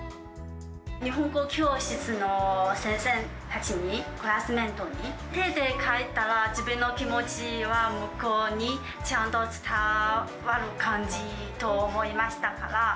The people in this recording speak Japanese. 日本語教室の先生たちに、クラスメートたちに手で書いたら、自分の気持ちは向こうにちゃんと伝わる感じと思いましたから。